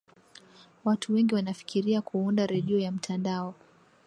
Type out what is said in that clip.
watu wengi wanafikiria kuunda redio ya mtandao